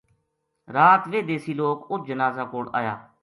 رات ویہ دیسی لوک اُت جنازہ کول آیا